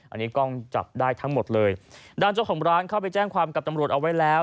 อันนี้กล้องจับได้ทั้งหมดเลยด้านเจ้าของร้านเข้าไปแจ้งความกับตำรวจเอาไว้แล้ว